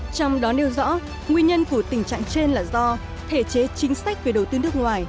trong đó nêu rõ nguyên nhân của tình trạng trên là do thể chế chính sách về đầu tư nước ngoài